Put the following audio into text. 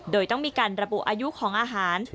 โดยต้องมีการระบุอายุของอาหาร